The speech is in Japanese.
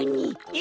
え？